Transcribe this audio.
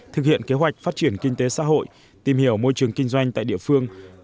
thực hiện kế hoạch phát triển kinh tế xã hội tìm hiểu môi trường kinh doanh tại địa phương